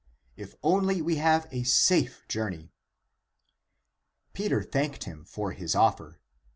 If only we have a safe journey." Peter thanked him for his offer.